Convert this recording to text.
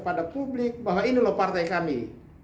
pada publik bahwa inilah partai kami